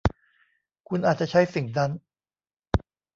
คุณอาจจะใช้สิ่งนั้น